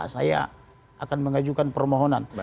saya akan mengajukan permohonan